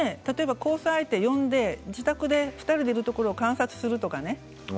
交際相手を呼んで自宅で２人でいるところを観察するとかね